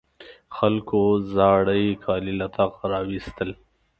خلکو زاړې کالي له طاقه راواېستل.